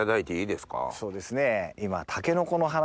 そうですね今。